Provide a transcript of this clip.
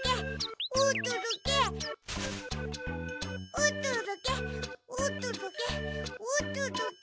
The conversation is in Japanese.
おとどけおとどけおとどけ。